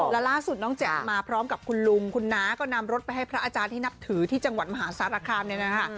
แล้วล่าสุดน้องแจ๋มาพร้อมกับคุณลุงคุณน้าก็นำรถไปให้พระอาจารย์ที่นับถือที่จังหวัดมหาสารคามเนี่ยนะคะ